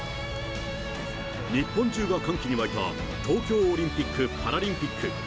日本中が歓喜に沸いた東京オリンピック・パラリンピック。